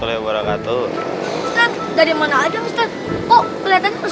tadi saya melihat ibu ibu yang mirip